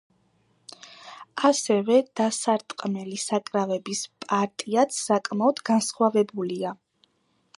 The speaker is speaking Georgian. ასევე, დასარტყმელი საკრავების პარტიაც საკმაოდ განსხვავებულია.